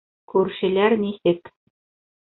Күршеләр нисек?